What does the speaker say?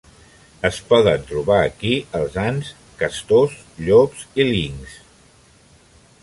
Es poden trobar aquí els ants, castors, llops i linxs.